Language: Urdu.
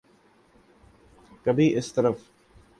کبھی اس طرف۔